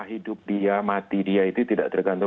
hidup dia mati dia itu tidak tergantung